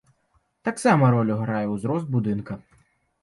Таксама ролю грае ўзрост будынка.